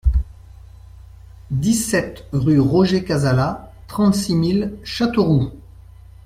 dix-sept rue Roger Cazala, trente-six mille Châteauroux